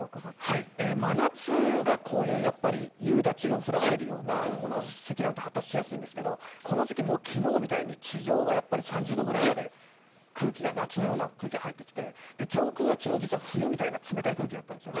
真夏がこういう夕立を降らせるような積乱雲は発達しやすいんですがこの時季地上が３０度ぐらいまで夏のような空気が入ってきて上空が昨日、実は冬みたいな冷たい空気だったんです。